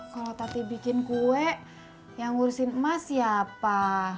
kalo tati bikin kue yang ngurusin emak siapa